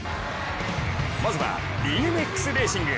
まずはＢＭＸレーシング。